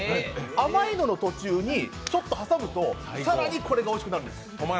甘いのの途中にちょっと挟むと更にこれがおいしくなるんです。